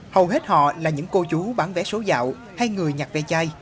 hầu hết họ là những cô chú bán vé số dạo hay người nhặt vé chai